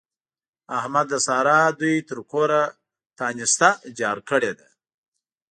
احمد د سارا دوی تر کوره تانسته جار کړې ده.